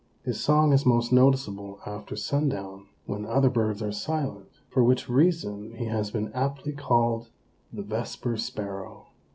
His song is most noticeable after sundown, when other birds are silent, for which reason he has been aptly called the Vesper Sparrow.